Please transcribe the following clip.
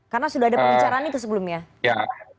karena sudah ada perbicaraan itu sebelumnya